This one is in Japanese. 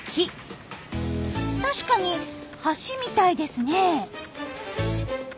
確かに橋みたいですね。